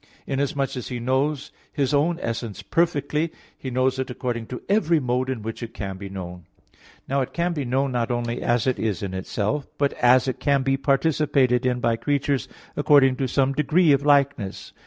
Inasmuch as He knows His own essence perfectly, He knows it according to every mode in which it can be known. Now it can be known not only as it is in itself, but as it can be participated in by creatures according to some degree of likeness.